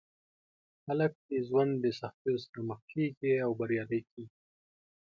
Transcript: هلک د ژوند د سختیو سره مخ کېږي او بریالی کېږي.